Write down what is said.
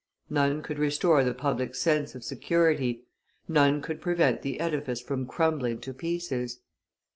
None could restore the public sense of security, none could prevent the edifice from crumbling to pieces.